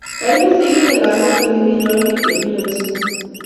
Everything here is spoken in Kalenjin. Kaimut sigindet lakwet olekinyoen biik chepnyansot